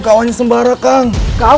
kawannya sembara kang